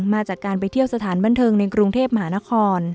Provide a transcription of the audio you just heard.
มาจากการไปเที่ยวสถานบันเทิงในกรุงเทพมหานคร